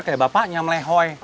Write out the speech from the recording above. kayak bapaknya melehoy